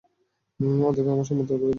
ওদেরকে আমার উম্মত করে দিন!